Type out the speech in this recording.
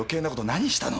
何したの？